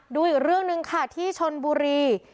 ดูอีกเรื่องหนึ่งค่ะที่ชนบุรี